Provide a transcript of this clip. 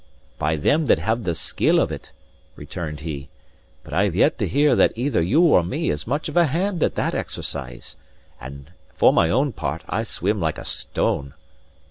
"By them that have the skill of it," returned he; "but I have yet to hear that either you or me is much of a hand at that exercise; and for my own part, I swim like a stone."